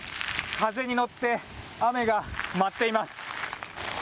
風に乗って雨が舞っています。